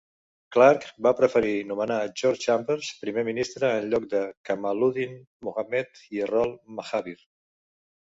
Clarke va preferir nomenar George Chambers primer ministre en lloc de Kamaluddin Mohammed i Errol Mahabir.